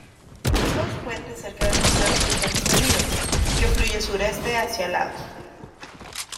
Dos puentes cerca de la ciudad cruzan este río, que fluye sur-este, hacia Laos.